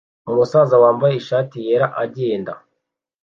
Umusaza wambaye ishati yera agenda